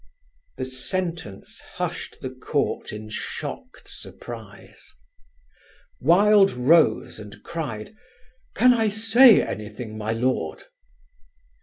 The sentence hushed the court in shocked surprise. Wilde rose and cried, "Can I say anything, my lord?"